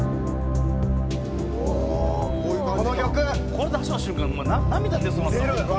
「これ出した瞬間涙出そうになったわホンマ。